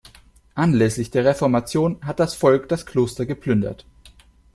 Anlässlich der Reformation hat das Volk das Kloster geplündert.